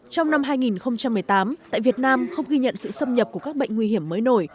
trong năm hai nghìn một mươi tám tại việt nam không ghi nhận sự xâm nhập của các bệnh nguy hiểm mới nổi